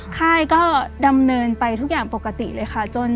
ค่ายก็ดำเนินไปทุกอย่างปกติเลยค่ะ